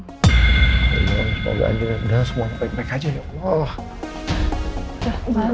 semoga anin dan anak anak semua baik baik aja ya allah